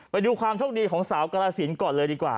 ไปดูความโชคดีของสาวกรสินก่อนเลยดีกว่า